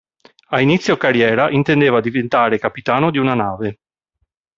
A inizio carriera intendeva diventare capitano di una nave.